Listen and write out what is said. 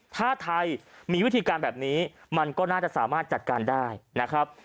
ถ้าไทยมีวิธีการแบบนี้มันก็น่าจะสามารถจัดการได้นะครับ